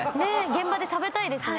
現場で食べたいですね。